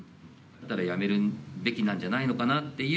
辞めるべきなんじゃないのかなという。